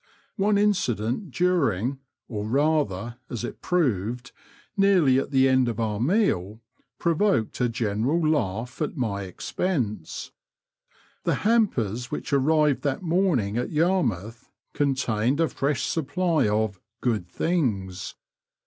One incident during, or, rather, as it proved, nearly at the end of our meal, provoked a general laugh at my expense. The hampers which arrived that morniog at Yarmouth contained a fresh supply of "good things.